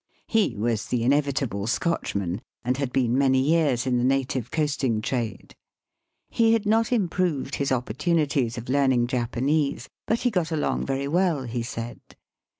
He was the inevitable Scotchman, and had been many years in the native coasting trade. He had not improved his opportunities of learning Japanese, but he got along very well, he said.